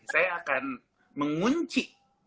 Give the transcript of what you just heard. saya akan mengunci